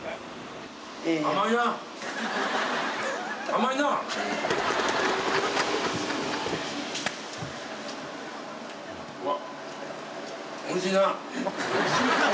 甘いなあ。